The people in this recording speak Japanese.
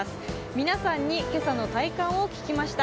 皆さんに今朝の体感を聞きました。